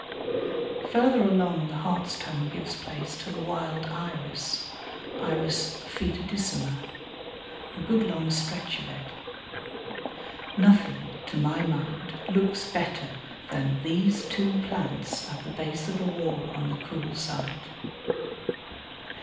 Farther along the Hartstongue gives place to the wild Iris (I. foetidissima), a good long stretch of it. Nothing, to my mind, looks better than these two plants at the base of a wall on the cool side.